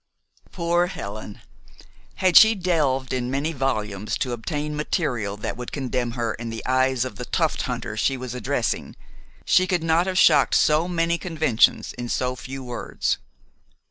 Poor Helen! Had she delved in many volumes to obtain material that would condemn her in the eyes of the tuft hunter she was addressing, she could not have shocked so many conventions in so few words.